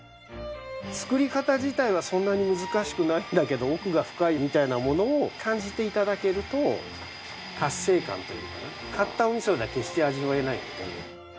作り方自体はそんなに難しくないんだけど奥が深いみたいなものを感じて頂けると達成感というかな買ったおみそでは決して味わえないので。